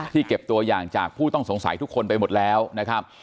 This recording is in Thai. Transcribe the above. เก็บตัวอย่างจากผู้ต้องสงสัยทุกคนไปหมดแล้วนะครับ